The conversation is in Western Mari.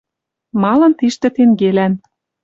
Малын тиштӹ тенгелӓн